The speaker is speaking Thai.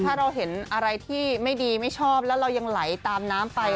ถ้าเราเห็นอะไรที่ไม่ดีไม่ชอบแล้วเรายังไหลตามน้ำไป